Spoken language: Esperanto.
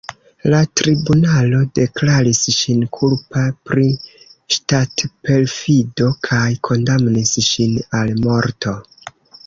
La tribunalo deklaris ŝin kulpa pri ŝtatperfido kaj kondamnis ŝin al morto.